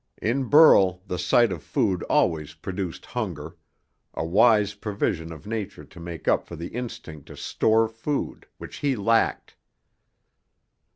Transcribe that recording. In Burl the sight of food always produced hunger a wise provision of nature to make up for the instinct to store food, which he lacked.